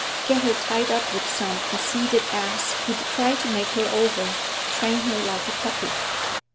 Get her tied up with some conceited ass who'd try to make her over, train her like a puppy!